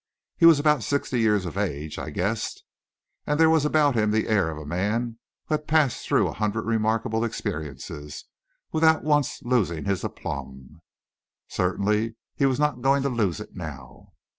He was about sixty years of age, I guessed; and there was about him the air of a man who had passed through a hundred remarkable experiences, without once losing his aplomb. Certainly he was not going to lose it now.